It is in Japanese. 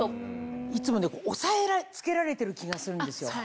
いつも押さえつけられてる気がするんですよ。